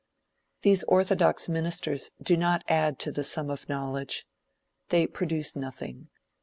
These orthodox ministers do not add to the sum of knowledge. They produce nothing.